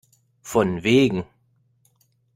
Von wegen!